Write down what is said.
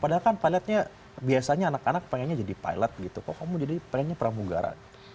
padahal kan pilotnya biasanya anak anak pengennya jadi pilot gitu kok kamu jadi pengennya pramugara